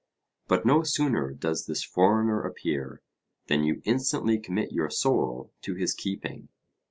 But no sooner does this foreigner appear, than you instantly commit your soul to his keeping.